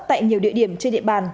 tại nhiều địa điểm trên địa bàn